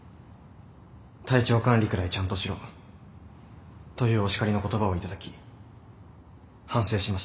「体調管理くらいちゃんとしろ」というお叱りの言葉を頂き反省しました。